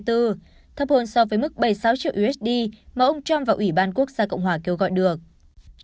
thấp hơn so với mức bảy mươi sáu triệu usd mà ông trump và ủy ban quốc gia cộng hòa kêu gọi được